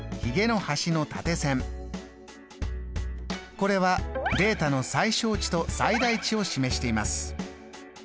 これはデータの最小値と最大値を示しています。